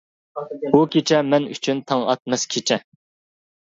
بۇ كېچە مەن ئۈچۈن تاڭ ئاتماس كېچە.